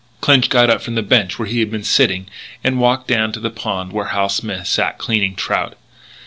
Clinch got up from the bench where he had been sitting and walked down to the pond where Hal Smith sat cleaning trout.